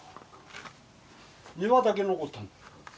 ２羽だけ残ったんだ。